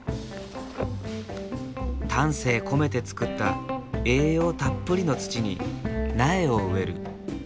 丹精込めて作った栄養たっぷりの土に苗を植える。